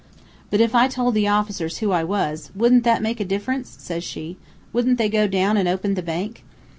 "'But if I told the officers who I was, wouldn't that make a difference?' says she. 'Wouldn't they go down an' open the bank?'